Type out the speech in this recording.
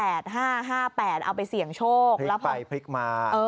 เอาไปเสี่ยงโชคแล้วพอพฤ่พลิกไปพฤฟฟรสคะ